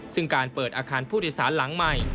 ซึ่งการเปิดอาคารผู้โดยสารหลังใหม่